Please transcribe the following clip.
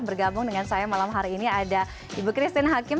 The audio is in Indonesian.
bergabung dengan saya malam hari ini ada ibu christine hakim